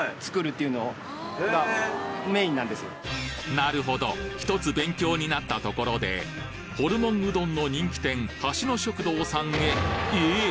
なるほどひとつ勉強になったところでホルモンうどんの人気店橋野食堂さんへえっ！